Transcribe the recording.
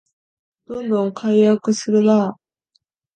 どんどん改悪するなあ